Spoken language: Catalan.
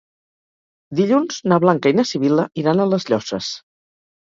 Dilluns na Blanca i na Sibil·la iran a les Llosses.